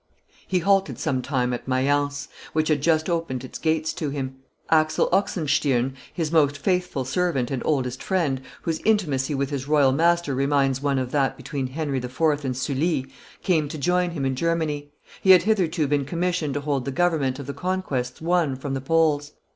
He halted some time at Mayence, which had just opened its gates to him. Axel Oxenstiern, his most faithful servant and oldest friend, whose intimacy with his royal master reminds one of that between Henry IV. and Sully, came to join him in Germany; he had hitherto been commissioned to hold the government of the conquests won from the Poles.